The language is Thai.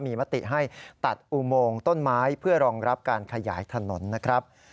มีมติให้ตัดอุโมงต้นไม้เพื่อรองรับการขยายถนนนะครับ